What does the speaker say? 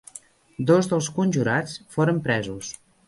Dos dels conjurats foren presos.